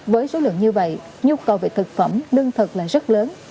với số lượng như vậy nhu cầu về thực phẩm lương thực là rất lớn